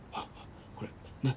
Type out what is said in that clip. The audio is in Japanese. これなっ？